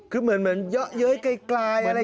คือเหมือนเยอะเย้ยไกลอะไรอย่างนี้